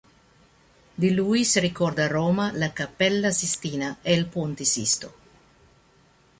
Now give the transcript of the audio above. Di lui si ricorda a Roma la Cappella Sistina e il Ponte Sisto.